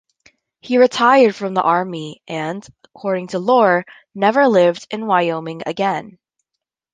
He retired from the army and, according to lore, never lived in Wyoming again.